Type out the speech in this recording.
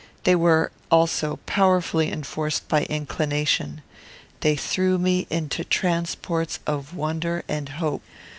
They were, also, powerfully enforced by inclination. They threw me into transports of wonder and hope.